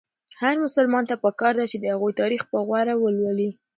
هر مسلمان ته پکار ده چې د هغوی تاریخ په غور ولولي.